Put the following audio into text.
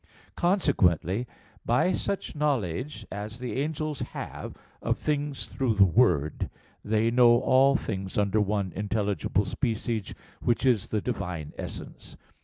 Consequently, by such knowledge as the angels have of things through the Word, they know all things under one intelligible species, which is the Divine essence.